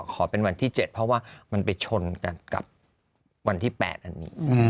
ขอเป็นวันที่๗เพราะว่ามันไปชนกันกับวันที่๘อันนี้